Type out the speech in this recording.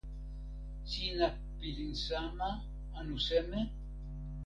sina pilin sama anu seme?